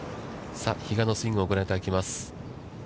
比嘉のスイングをご覧いただきます。